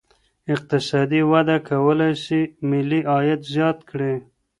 اقتصادي وده کولی سي ملي عايد زيات کړي.